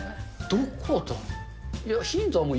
どこだ？